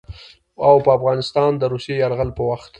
او په افغانستان د روسي يرغل په وخت